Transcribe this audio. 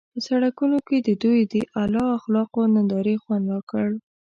په سړکونو کې د دوی د اعلی اخلاقو نندارې خوند راکړ.